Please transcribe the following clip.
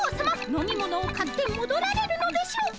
飲み物を買ってもどられるのでしょうか！